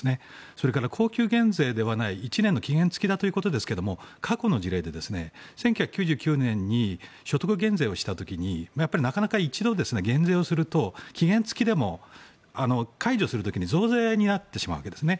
それから、恒久減税ではない１年の期限付きだということですが過去の事例で１９９１年に所得減税をした時にやっぱりなかなか、一度減税をすると期限付きでも解除する時に増税になってしまうわけですね。